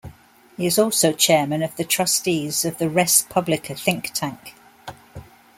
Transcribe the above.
He is also chairman of the trustees of the ResPublica think tank.